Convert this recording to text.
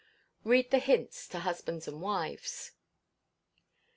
[READ THE HINTS TO HUSBANDS AND WIVES.